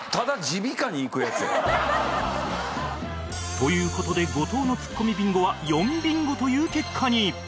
という事で後藤のツッコミビンゴは４ビンゴという結果に